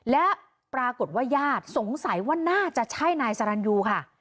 และปรากฏว่าญาติสงสัยว่าน่าจะใช่นายสรรยูค่ะ